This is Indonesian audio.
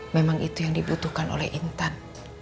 memang itu yang dibutuhkan oleh intan